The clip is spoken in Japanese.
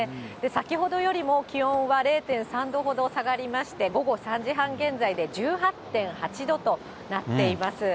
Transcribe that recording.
先ほどよりも気温は０．３度ほど下がりまして、午後３時半現在で１８．８度となっています。